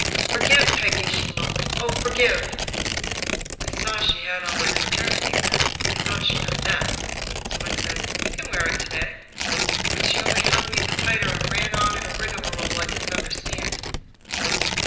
"Forgive, Peggy," she moaned. "Oh, forgive!" I saw she had on my fraternity pin, and I thought she meant that. So I said, "You can wear it today"; but she only hugged me the tighter and ran on in a rigmarole I didn't understand.